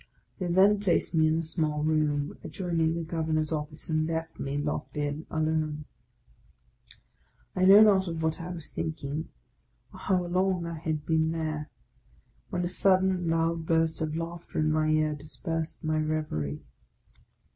They then placed me in a small room adjoining the Gov ernor's office, and left me, locked in, alone. I know not of what I was thinking, or how long I had been there, when a sudden and loud burst of laughter in my ear dispersed my reverie.